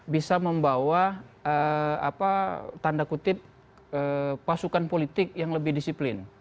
bisa membawa tanda kutip pasukan politik yang lebih disiplin